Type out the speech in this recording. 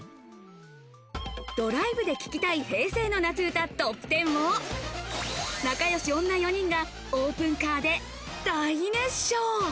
ドライブで聴きたい平成の夏歌トップテンを仲良し女４人がオープンカーで大熱唱。